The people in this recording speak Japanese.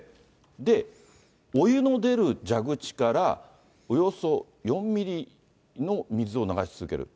で、お湯の出る蛇口から、およそ４ミリの水を流し続ける。